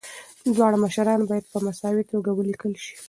دواړه مشران باید په مساوي توګه ولیکل شي.